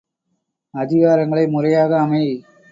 அதிகாரங்களை முறையாக அமை.